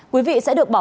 quý vị sẽ được bảo mật